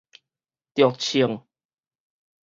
著銃